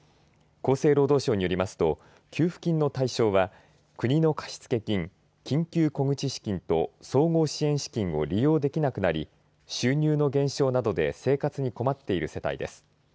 厚生労働省によりますと給付金の対象は国の貸付金緊急小口資金と総合支援資金を利用できなくなり収入の減少などで生活に困っている世代です。